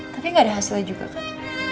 tapi gak ada hasilnya juga kan